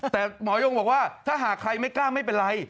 แต่หมอยงบอกว่าถ้าหากใครไม่กล้าไม่เป็นไร